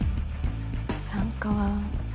参加は。